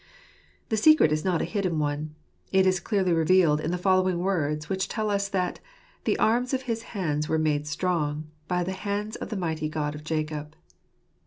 The secret is not a hidden one. It is dearly revealed in the following words, which tell us that " The arms of his hands were made strong By the hands of the mighty God of Jacob.